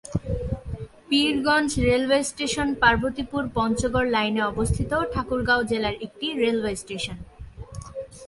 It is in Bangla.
পীরগঞ্জ রেলওয়ে স্টেশন পার্বতীপুর-পঞ্চগড় লাইনে অবস্থিত ঠাকুরগাঁও জেলার একটি রেলওয়ে স্টেশন।